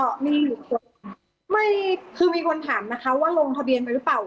คือมีคนถามนะคะว่าลงทะเบียนไปหรือเปล่า